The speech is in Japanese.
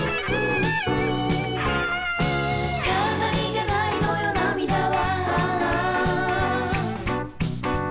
「ラララ」「飾りじゃないのよ涙は」